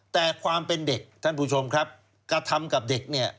แต่ความเป็นเด็กท่านผู้ชมครับกระทำกับเด็กเนี่ย